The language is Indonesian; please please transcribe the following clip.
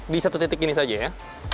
di satu titik ini saja ya